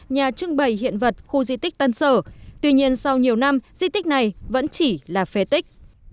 nhà trưng bày hiện vật khu di tích tân sở tuy nhiên sau nhiều năm di tích này vẫn chỉ là phế tích